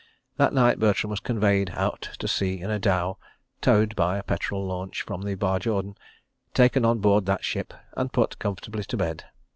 ... That night Bertram was conveyed out to sea in a dhow (towed by a petrol launch from the Barjordan), taken on board that ship, and put comfortably to bed.